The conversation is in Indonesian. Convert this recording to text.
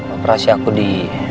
operasi aku di